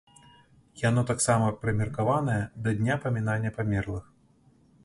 Яно таксама прымеркаванае да дня памінання памерлых.